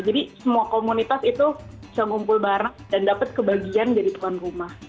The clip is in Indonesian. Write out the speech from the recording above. semua komunitas itu bisa ngumpul bareng dan dapat kebagian jadi tuan rumah